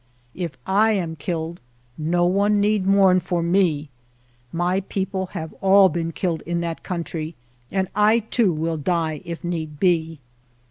If I am killed no one need mourn for me. My people have all been killed in that country, and I, too, will die if need be."